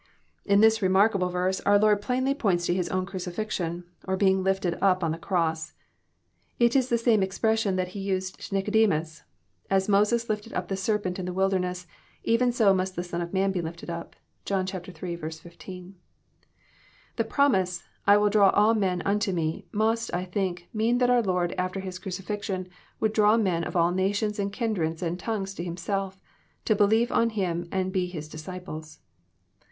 '] In this remark able verse our Lord plainly points to His own crucifixion, or being lifted up on the cross. It is the same expression that He used to Nicodemus: <'As Moses lifted up the serpent in the wilderness, even so must the Son of man be lifted up." (John Ui. 16.) The promise, '* I will draw all men unto Me," must, I think, mean that our Lord after His crucifixion would draw men of all nations and kindreds and tongues to Himself, to believe on Him and be His disciples.